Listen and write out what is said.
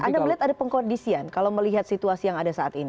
anda melihat ada pengkondisian kalau melihat situasi yang ada saat ini